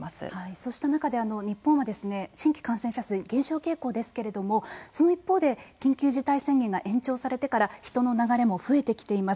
そうした中で日本は新規感染者数減少傾向ですけれどもその一方で緊急事態宣言が延長されてから人の流れも増えてきています。